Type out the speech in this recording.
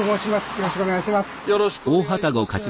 よろしくお願いします。